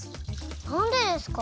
なんでですか？